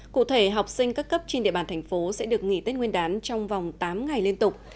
cụ thể học sinh các cấp trên địa bàn thành phố sẽ được nghỉ tết nguyên đán trong vòng tám ngày liên tục